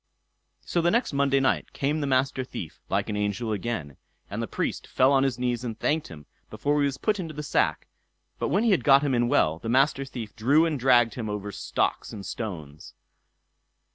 So the next Monday night came the Master Thief like an angel again, and the Priest fell on his knees and thanked him before he was put into the sack; but when he had got him well in, the Master Thief drew and dragged him over stocks and stones.